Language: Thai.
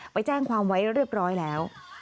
ไปแจ้งความไว้เรียบร้อยแล้ว